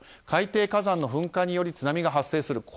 海底火山の噴火により津波が発生する。